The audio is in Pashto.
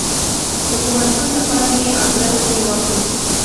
د پوهنتون دپاره مې ادرس ځني واخیست.